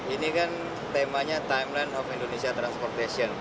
ini kan temanya timeline of indonesia transportation